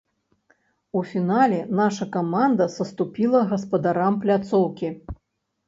У фінале наша каманда саступіла гаспадарам пляцоўкі.